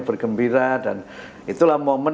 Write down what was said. bergembira dan itulah momen